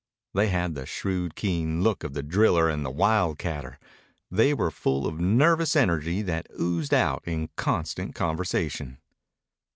They had the shrewd, keen look of the driller and the wildcatter. They were full of nervous energy that oozed out in constant conversation.